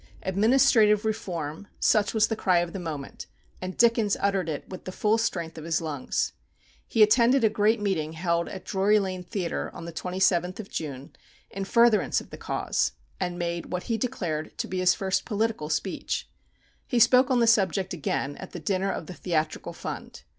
"Administrative Reform," such was the cry of the moment, and Dickens uttered it with the full strength of his lungs. He attended a great meeting held at Drury Lane Theatre on the 27th of June, in furtherance of the cause, and made what he declared to be his first political speech. He spoke on the subject again at the dinner of the Theatrical Fund.